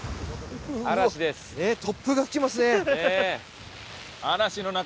突風が吹きますね。